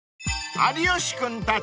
［有吉君たち